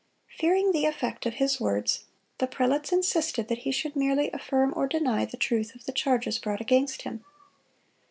Fearing the effect of his words, the prelates insisted that he should merely affirm or deny the truth of the charges brought against him.